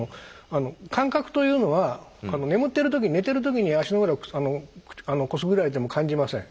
「感覚」というのは眠ってる時に寝てる時に足の裏をくすぐられても感じません。